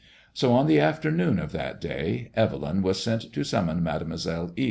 So on the afternoon of that day Evel3m was sent to summon Mademoiselle Ixe.